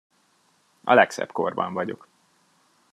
A legszebb korban vagyok.